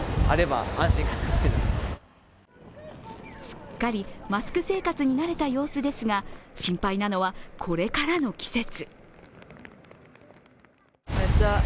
すっかりマスク生活に慣れた様子ですが、心配なのはこれからの季節。